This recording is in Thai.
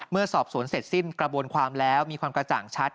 เมื่อสอบสวนเสร็จสิ้นกระบวนความแล้วมีความกระจ่างชัด